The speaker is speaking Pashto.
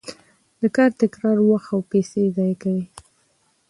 د کار تکرار وخت او پیسې ضایع کوي.